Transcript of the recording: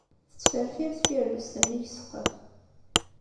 Tettferfir tfirellest nnig n ssqef.